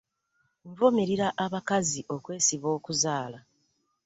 Nvumirira abakazi okwesiba okuzaala.